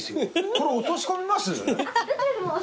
これ落とし込みます？